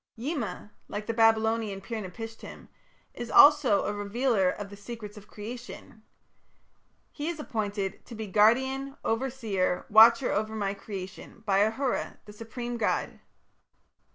Yima, like the Babylonian Pir napishtim, is also a revealer of the secrets of creation. He was appointed to be "Guardian, Overseer, Watcher over my Creation" by Ahura, the supreme god.